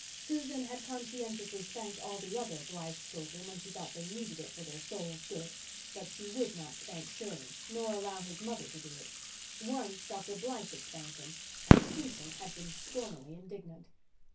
Susan had conscientiously spanked all the other Blythe children when she thought they needed it for their souls' good, but she would not spank Shirley nor allow his mother to do it. Once, Dr. Blythe had spanked him and Susan had been stormily indignant.